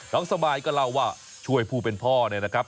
น้องสมายก็เล่าว่าช่วยผู้เป็นพ่อนะครับ